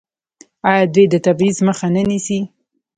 آیا دوی د تبعیض مخه نه نیسي؟